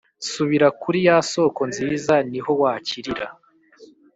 Subira kuri yasoko nziza niho wakirira